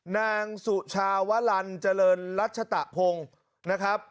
นางสุชาวลันเจริญรัชตะพงศ์นะครับ